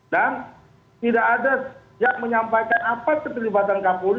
dan tidak ada yang menyampaikan apa keterlibatan kapolri